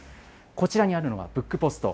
こちらにあるのがブックポスト。